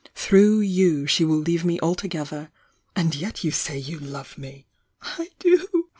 Through you she will leave me altogether — and yet you say you love me!" "I do!